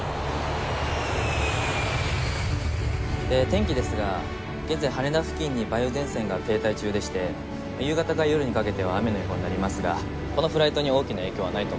天気ですが現在羽田付近に梅雨前線が停滞中でして夕方から夜にかけては雨の予報になりますがこのフライトに大きな影響はないと思います。